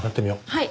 はい。